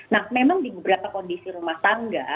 nah memang di beberapa kondisi rumah tangga